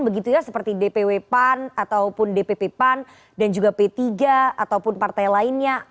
begitu ya seperti dpw pan ataupun dpp pan dan juga p tiga ataupun partai lainnya